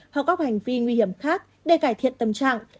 hoặc các hành vi nguy hiểm khác để cải thiện tâm trạng